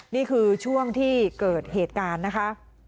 นี่คือช่วงที่เกิดเหตุการณ์นะคะ